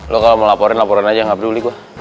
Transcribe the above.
lo kalau mau laporin laporin aja gak peduli gue